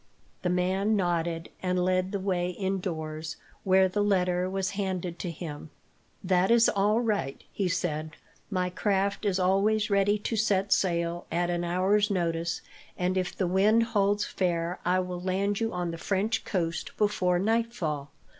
The man nodded, and led the way indoors, where the letter was handed to him. "That is all right," he said. "My craft is always ready to set sail, at an hour's notice, and if the wind holds fair I will land you on the French coast before nightfall.